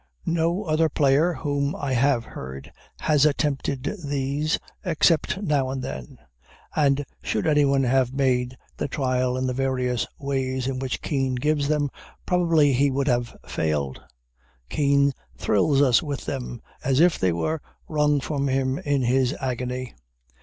No other player whom I have heard has attempted these, except now and then; and should anyone have made the trial in the various ways in which Kean gives them, probably he would have failed. Kean thrills us with them, as if they were wrung from him in his agony.